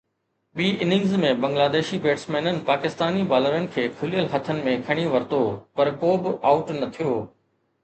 ٻي اننگز ۾ بنگلاديشي بيٽسمينن پاڪستاني بالرن کي کليل هٿن ۾ کڻي ورتو، پر ڪو به آئوٽ نه ٿيو.